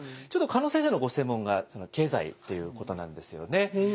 加納先生のご専門が経済ということなんですよね。